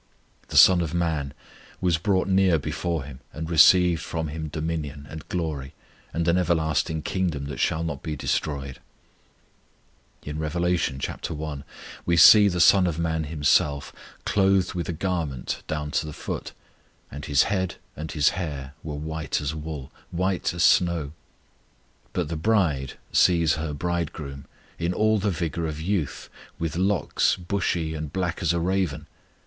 The Son of Man was brought near before Him, and received from Him dominion, and glory, and an everlasting kingdom that shall not be destroyed. In Rev. i. we see the Son of Man Himself clothed with a garment down to the foot, and His head and His hair were white as wool, white as snow; but the bride sees her Bridegroom in all the vigour of youth, with locks "bushy, and black as a raven."